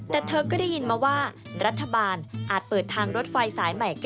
แต่เธอก็ได้ยินมาว่ารัฐบาลอาจเปิดทางรถไฟสายใหม่